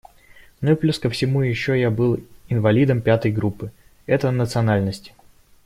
Ну и плюс ко всему еще я был «инвалидом пятой группы» - это о национальности.